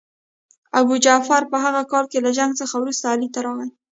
ابوجعفر په هغه کال له جنګ څخه وروسته علي ته راغی.